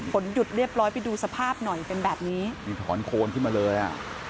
ฝนหยุดเรียบร้อยไปดูสภาพหน่อยเป็นแบบนี้นี่ถอนโคนขึ้นมาเลยอ่ะ